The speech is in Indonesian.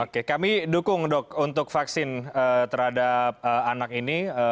oke kami dukung dok untuk vaksin terhadap anak ini